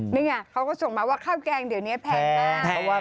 นี่ไงเขาก็ส่งมาว่าข้าวแกงเดี๋ยวนี้แพงมาก